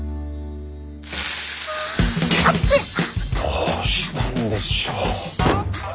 どうしたんでしょう？